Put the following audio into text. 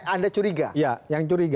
itu yang anda curiga